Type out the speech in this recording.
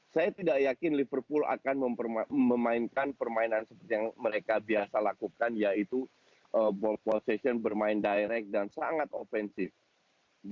saya tidak yakin liverpool akan memainkan permainan seperti yang mereka biasa lakukan yaitu ball position bermain direct dan sangat offensive